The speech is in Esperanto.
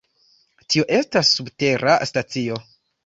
Tio estas subtera stacio.